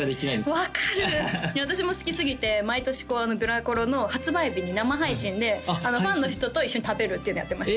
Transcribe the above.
分かる私も好きすぎて毎年グラコロの発売日に生配信でファンの人と一緒に食べるっていうのやってました